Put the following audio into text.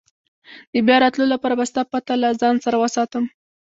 د بیا راتلو لپاره به ستا پته له ځان سره وساتم.